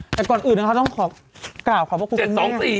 แต่ก่อนอื่นนะครับต้องขอกราบขอบคุณแม่